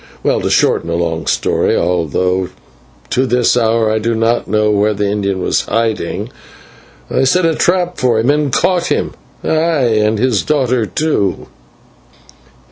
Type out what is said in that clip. Well, to shorten a long story, although to this hour I do not know where the Indian was hiding, I set a trap for him and caught him ay, and his daughter too.